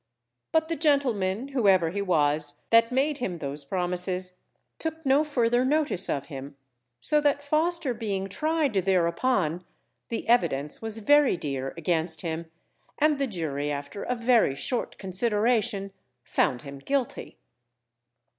But the gentleman, whoever he was, that made him those promises, took no further notice of him, so that Foster being tried thereupon, the evidence was very dear against him, and the jury, after a very short consideration, found him guilty.